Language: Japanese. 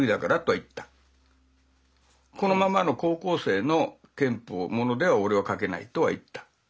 このままの高校生の拳法ものでは俺は書けないとは言った。